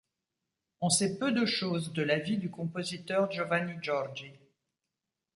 On sait peu de choses de la vie du compositeur Giovanni Giorgi.